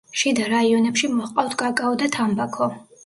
შიდა რაიონებში მოჰყავთ კაკაო და თამბაქო.